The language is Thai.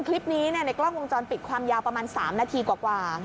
คลิปนี้ในกล้องวงจรปิดความยาวประมาณ๓นาทีกว่า